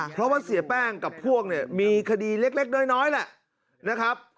เพราะว่าเสียแป้งกับพวกเนี่ยมีคดีเล็กน้อยแหละนะครับ